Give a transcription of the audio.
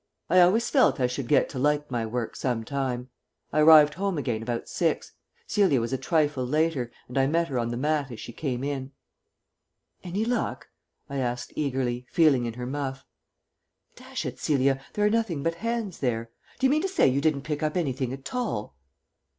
I always felt I should get to like my work some time. I arrived home again about six. Celia was a trifle later, and I met her on the mat as she came in. "Any luck?" I asked eagerly, feeling in her muff. "Dash it, Celia, there are nothing but hands here. Do you mean to say you didn't pick up anything at all?"